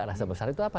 rasa besar itu apa